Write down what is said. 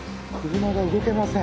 車が動けません。